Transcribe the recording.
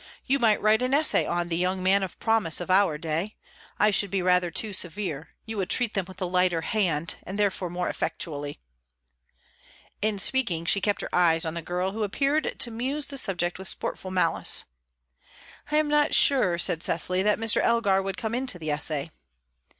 You might write an essay on 'The Young Man of Promise' of our day. I should be rather too severe; you would treat them with a lighter hand, and therefore more effectually." In speaking, she kept her eyes on the girl, who appeared to muse the subject with sportful malice. "I am not sure," said Cecily, "that Mr. Elgar would come into the essay."